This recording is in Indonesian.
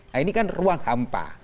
nah ini kan ruang hampa